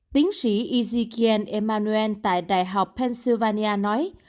tiến sĩ ezekiel emanuel tại đại học pennsylvania nói